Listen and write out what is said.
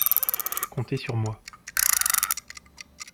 Comptez sur moi…